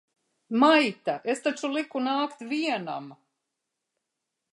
Maita! Es taču liku nākt vienam!